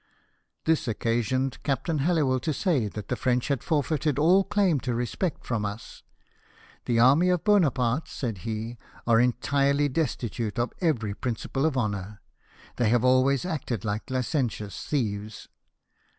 This occasioned Captain Hallowell to say that the French had forfeited all claim to respect from us. " The army of Bonaparte," said he, " are entirely destitute of every principle of honour; they have always acted like licentious thieves."